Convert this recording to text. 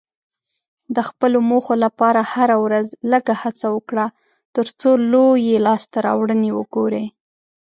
د خپلو موخو لپاره هره ورځ لږه هڅه وکړه، ترڅو لویې لاسته راوړنې وګورې.